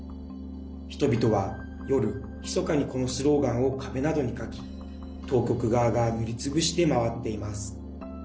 人々は夜、ひそかにこのスローガンを壁などに書き当局側が塗りつぶして回っています。